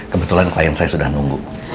kebetulan klien saya sudah nunggu